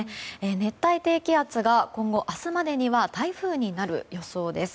熱帯低気圧が今後、明日までには台風になる予想です。